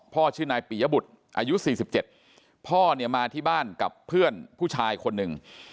ชื่อนายปียบุตรอายุ๔๗พ่อเนี่ยมาที่บ้านกับเพื่อนผู้ชายคนหนึ่ง